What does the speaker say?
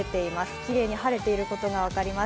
きれいに晴れていることが分かります。